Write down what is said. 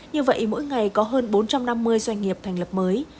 như vậy mỗi ngày có hơn bốn trăm năm mươi doanh nghiệp thành lập mới